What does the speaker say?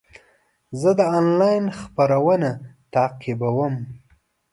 زه د انلاین خپرونه تعقیبوم.